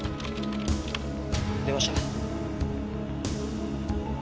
出ました。